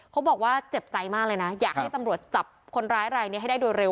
เขาบอกว่าเจ็บใจมากเลยนะอยากให้ตำรวจจับคนร้ายรายนี้ให้ได้โดยเร็